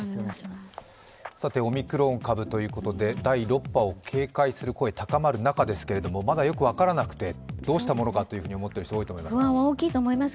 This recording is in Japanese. オミクロン株ということで、第６波を警戒する声が高まる中ですけれども、まだよく分からなくて、どうしたものかと思っている人、多いと思います。